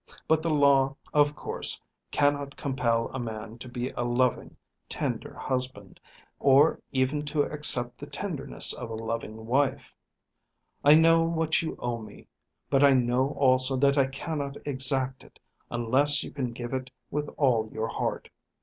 But the law, of course, cannot compel a man to be a loving, tender husband, or even to accept the tenderness of a loving wife. I know what you owe me, but I know also that I cannot exact it unless you can give it with all your heart.